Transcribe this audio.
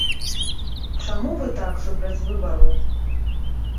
Чаму вы так супраць выбару?